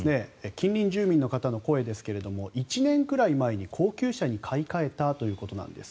近隣住民の方の声ですが１年くらい前に高級車に買い替えたということなんです。